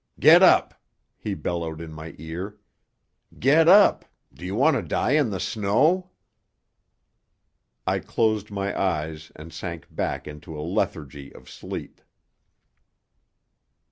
"Get up!" he bellowed in my ear. "Get up! Do you want to die in the snow?" I closed my eyes and sank back into a lethargy of sleep.